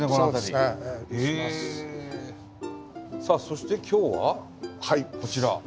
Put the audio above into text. さあそして今日はこちら。